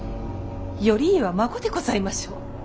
頼家は孫でございましょう。